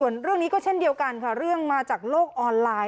ส่วนเรื่องนี้ก็เช่นเดียวกันค่ะเรื่องมาจากโลกออนไลน์